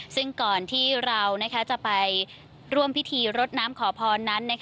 ซึ่งก่อนที่เราจะไปร่วมพิธีรดน้ำขอพรนั้น